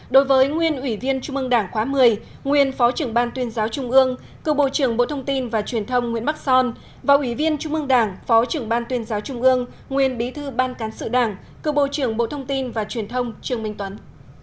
đối với nguyên ủy viên trung ương đảng khóa một mươi nguyên phó trưởng ban tuyên giáo trung ương cựu bộ trưởng bộ thông tin và truyền thông nguyễn bắc son và ủy viên trung ương đảng phó trưởng ban tuyên giáo trung ương nguyên bí thư ban cán sự đảng cựu bộ trưởng bộ thông tin và truyền thông trương minh tuấn